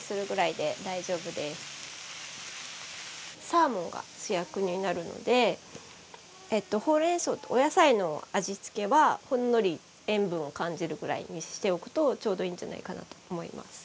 サーモンが主役になるのでほうれんそうとお野菜の味付けはほんのり塩分を感じるぐらいにしておくとちょうどいいんじゃないかなと思います。